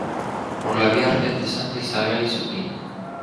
Por la vierten de Santa Isabel y su prima!